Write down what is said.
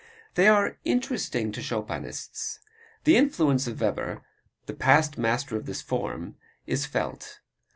They are interesting to Chopinists. The influence of Weber, a past master in this form, is felt.